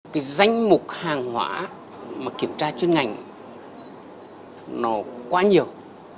cái danh mục hàng hóa mà kiểm tra chuyên ngành nó quá nhiều